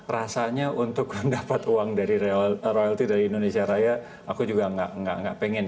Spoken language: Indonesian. rasanya untuk mendapat uang dari royalty dari indonesia raya aku juga enggak pengen ya